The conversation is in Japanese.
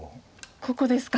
ここですか。